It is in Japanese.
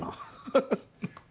ハハハッ。